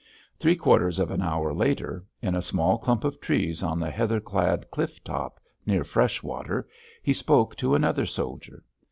Three quarters of an hour later, in a small clump of trees on the heather clad cliff top near Freshwater, he spoke to another soldier.